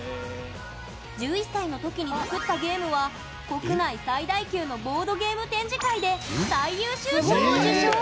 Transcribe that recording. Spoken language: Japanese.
１１歳の時に作ったゲームは国内最大級のボードゲーム展示会で最優秀賞を受賞！